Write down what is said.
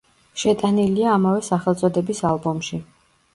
შეტანილია ამავე სახელწოდების ალბომში.